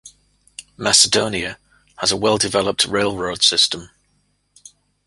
Macedonia has a well-developed railroad system.